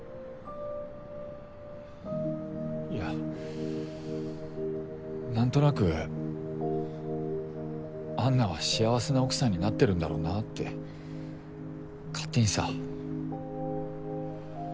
いや何となく安奈は幸せな奥さんになってるんだろうなって勝手にさぁ。